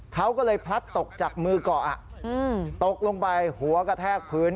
เขาก็เลยพลัดตกจากมือเกาะตกลงไปหัวกระแทกพื้น